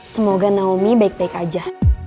semoga naomi baik baik aja